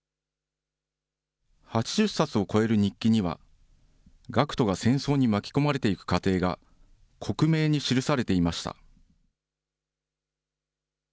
８０冊を超える日記には、学徒が戦争に巻き込まれていく過程が、克明に記されていました。